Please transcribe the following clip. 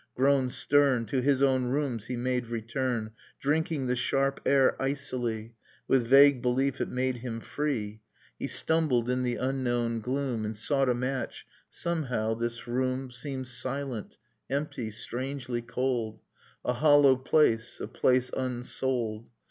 Grown stem, I To his own rooms he made return, j Drinking the sharp air icily J With vague belief it made him free ...[ He stumbled in the unknown gloom; j And sought a match ... Somehow this room | Seemed silent, empty, strangely cold, ' A hollow place, a place unsouled.